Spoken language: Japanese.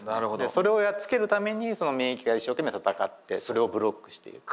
それをやっつけるためにその免疫が一生懸命戦ってそれをブロックしている。